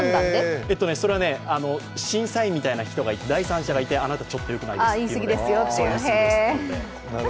それは審査員みたいな第三者がいて、あなたちょっとよくないですよと。